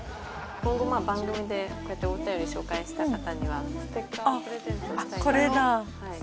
今後番組でこうやってお便り紹介した方にはステッカーをプレゼントしたい。